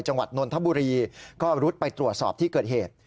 นนทบุรีก็รุดไปตรวจสอบที่เกิดเหตุ